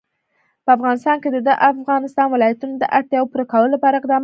په افغانستان کې د د افغانستان ولايتونه د اړتیاوو پوره کولو لپاره اقدامات کېږي.